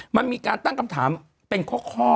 มันมีการเป็นข้อ